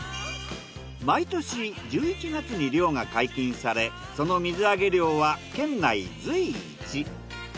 毎年１１月に漁が解禁されその水揚げ量は県内随一。